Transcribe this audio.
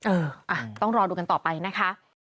เอออ่ะต้องรอดูกันต่อไปนะคะ